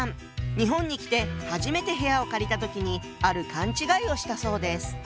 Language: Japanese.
日本に来て初めて部屋を借りた時にある勘違いをしたそうです。